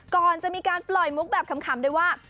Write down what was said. ก่อนจะมีการปล่อยมุกแบบขำด้วยว่า